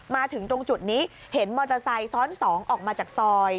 มาถึงตรงจุดนี้เห็นมอเตอร์ไซค์ซ้อน๒ออกมาจากซอย